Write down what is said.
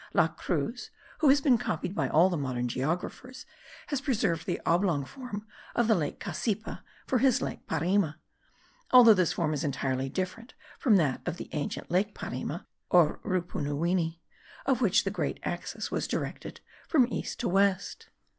La Cruz, who has been copied by all the modern geographers, has preserved the oblong form of the lake Cassipa for his lake Parima, although this form is entirely different from that of the ancient lake Parima, or Rupunuwini, of which the great axis was directed from east to west.